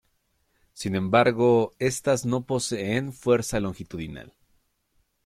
Sin embargo, estas no poseen fuerza longitudinal.